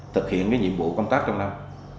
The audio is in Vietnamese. thực hiện nhiệm vụ công tác trong năm